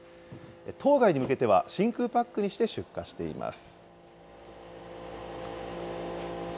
島外に向けては、真空パックにして出荷しています。